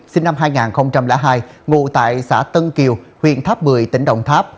sinh năm hai nghìn hai ngụ tại xã tân kiều huyện tháp bười tỉnh đồng tháp